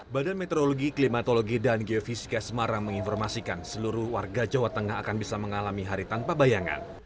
badan meteorologi klimatologi dan geofisika semarang menginformasikan seluruh warga jawa tengah akan bisa mengalami hari tanpa bayangan